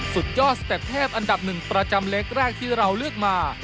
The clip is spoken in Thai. สุดยอดสเต็ปเทพอันดับหนึ่งประจำเล็กแรกที่เราเลือกมา